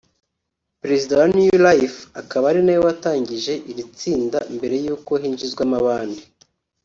perezida wa New life akaba ari nawe watangije iri tsinda mbere y’uko hinjizwamo abandi